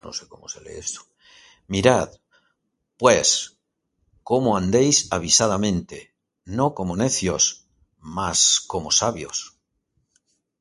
Mirad, pues, cómo andéis avisadamente; no como necios, mas como sabios;